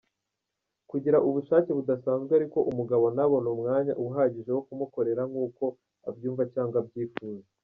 Kugira ubushake budasanzwe ariko umugabo ntabone umwanya uhagije wo kumukorera nkuko abyumva cg abyifuza.